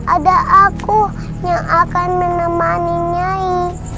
ada aku yang akan menemani nyai